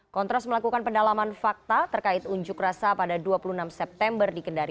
kontras melakukan pendalaman fakta terkait unjuk rasa pada dua puluh enam september di kendari